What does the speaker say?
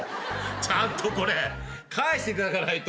ちゃんとこれ返していただかないと。